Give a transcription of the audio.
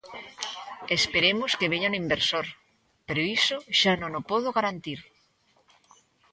Esperemos que veña un inversor, pero iso xa non o podo garantir.